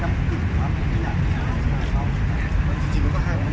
ว่าเมื่อเด็กเขามาจังงี้จริง